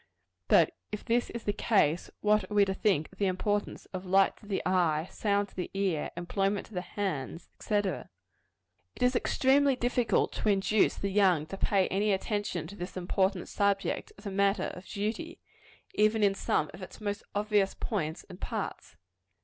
But if this is the case, what are we to think of the importance of light to the eye, sound to the ear, employment to the hands, &c.? It is extremely difficult to induce the young to pay any attention to this important subject, as a matter of duty, even in some of its most obvious points and parts.